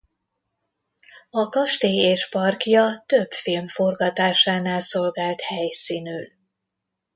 A kastély és parkja több film forgatásánál szolgált helyszínül.